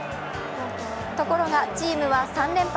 ところがチームは３連敗。